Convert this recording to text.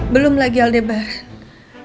belum lagi aldebaran